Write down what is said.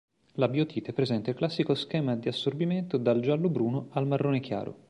La biotite presenta il classico schema di assorbimento dal giallo-bruno al marrone chiaro.